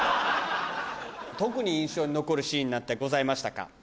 特に印象に残るシーンなんてございましたか？